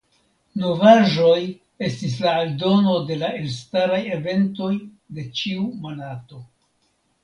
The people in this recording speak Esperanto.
Novaĵoj estis la aldono de la elstaraj eventoj de ĉiu monato.